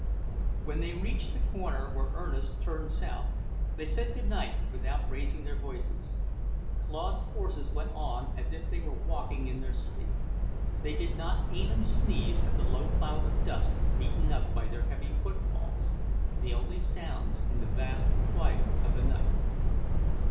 When they reached the corner where Ernest turned south, they said goodnight without raising their voices. Claude's horses went on as if they were walking in their sleep. They did not even sneeze at the low cloud of dust beaten up by their heavy foot falls, the only sounds in the vast quiet of the night.